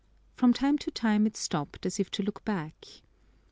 From time to time it stopped as if to look back.